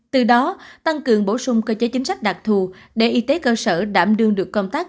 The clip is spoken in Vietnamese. từ đó tăng cường bổ sung cơ chế chính sách đặc thù để y tế cơ sở đảm đương được công tác